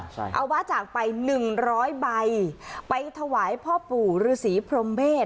เอาว่าจากไปหนึ่งร้อยใบไปถวายพ่อปู่ฤษีพรมเมษ